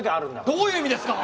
どういう意味ですか？